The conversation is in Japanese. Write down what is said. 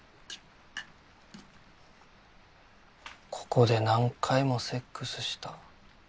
ここで何回もセックスした。